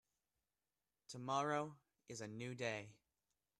Tomorrow is a new day.